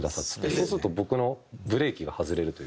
そうすると僕のブレーキが外れるというか。